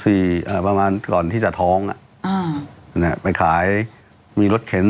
เอ่อประมาณก่อนที่จะท้องอ่ะอ่าเนี้ยไปขายมีรถเข็น